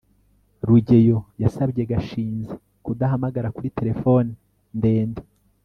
rugeyo yasabye gashinzi kudahamagara kuri telefone ndende